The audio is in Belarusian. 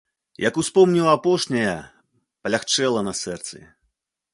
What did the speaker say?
Як успомніў апошняе, палягчэла на сэрцы.